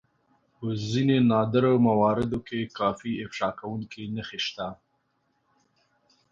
په ځينو نادرو مواردو کې کافي افشا کوونکې نښې شته.